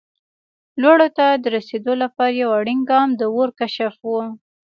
لوړو ته د رسېدو لپاره یو اړین ګام د اور کشف و.